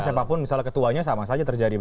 karena siapapun misalnya ketuanya sama saja terjadi